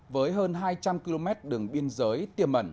với hơn hai trăm linh km đường biên giới tiềm mẩn